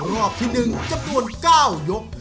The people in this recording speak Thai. รอบที่๑จำนวน๙ยก